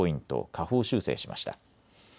下方修正しました。